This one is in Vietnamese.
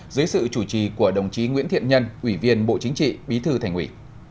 dưới sự chủ trì của đồng chí nguyễn thiện nhân ủy viên bộ chính trị bí thư thành ủy